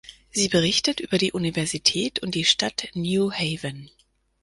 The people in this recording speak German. Sie berichtet über die Universität und die Stadt New Haven.